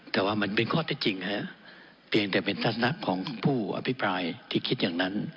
แต่ว่ามันเป็นข้อเท็จจริงเพียงแต่เป็นทัศนะของผู้อภิปรายที่คิดอย่างนั้น